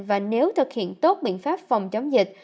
và nếu thực hiện tốt biện pháp phòng chống dịch